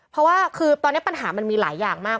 เพราะว่าคือตอนนี้ปัญหามันมีหลายอย่างมาก